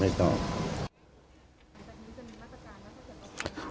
ไม่ต้องครับ